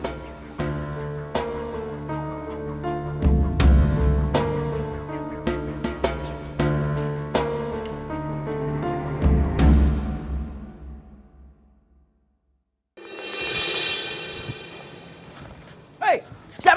saya akan menjagamu